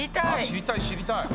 知りたい知りたい！